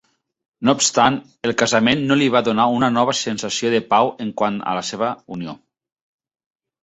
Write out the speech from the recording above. No obstant, el casament no li va donar una nova sensació de pau en quant a la seva unió.